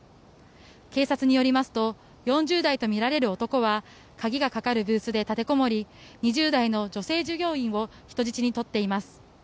警察によりますと４０代とみられる男は鍵がかかるブースで立てこもり２０代の女性従業員を人質に取っています。